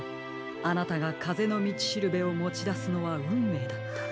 あなたがかぜのみちしるべをもちだすのはうんめいだった。